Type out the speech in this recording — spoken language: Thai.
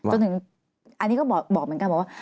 จนถึงอันนี้ก็บอกเหมือนกันบอกว่า